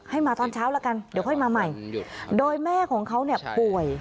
มาตอนเช้าแล้วกันเดี๋ยวค่อยมาใหม่โดยแม่ของเขาเนี่ยป่วย